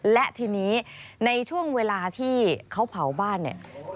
และทีนี้ในช่วงเวลาที่เขาเผาบ้านเนี่ย